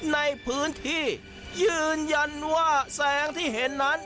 ในพื้นที่ยืนยันว่าแสงที่เห็นนั้น